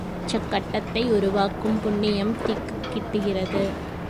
உச்சக் கட்டத்தை உருவாக்கும் புண்ணியம் தீக்குக்கிட்டுகிறது.